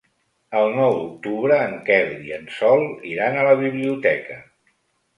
El nou d'octubre en Quel i en Sol iran a la biblioteca.